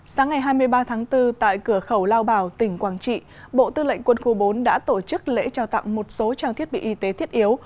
sáng ngày hai mươi ba tháng bốn tại cửa khẩu lao bảo tỉnh quảng trị bộ tư lệnh quân khu bốn đã tổ chức lễ trao tặng một số trang thiết bị y tế thiết yếu